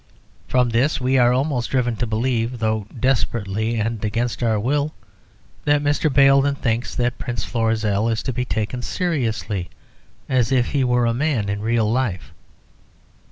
From this we are almost driven to believe (though desperately and against our will) that Mr. Baildon thinks that Prince Florizel is to be taken seriously, as if he were a man in real life.